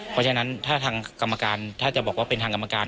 เพราะฉะนั้นถ้าทางกรรมการถ้าจะบอกว่าเป็นทางกรรมการ